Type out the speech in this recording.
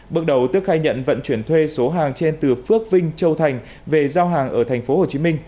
bước đầu tước khai nhận vận chuyển thuê số hàng trên từ phước vinh châu thành về giao hàng ở tp hcm